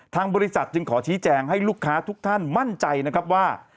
ทางบริษัทจึงขอชี้แจงให้ลูกค้าทุกท่านมั่นใจนะครับว่า